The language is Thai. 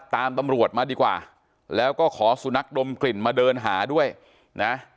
ตำรวจมาดีกว่าแล้วก็ขอสุนัขดมกลิ่นมาเดินหาด้วยนะ